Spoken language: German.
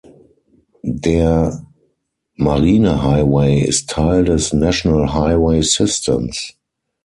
Der Marine Highway ist Teil des "National Highway Systems".